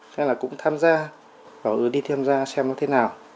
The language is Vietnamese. nên là cũng tham gia bảo ước đi tham gia xem nó thế nào